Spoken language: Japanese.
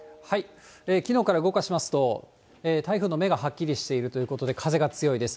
きのうから動かしますと、台風の目がはっきりしているということで、風が強いです。